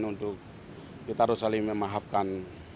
untuk kita harus saling memaafkan